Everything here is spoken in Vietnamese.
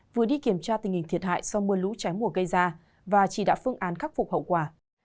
vừa đi kiểm tra tình hình thiệt hại do mưa lũ trái mùa gây ra và chỉ đạo phương án khắc phục hậu quả